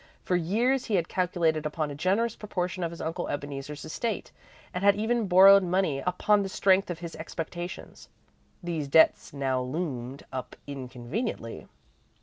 For years he had calculated upon a generous proportion of his Uncle Ebeneezer's estate, and had even borrowed money upon the strength of his expectations. These debts now loomed up inconveniently.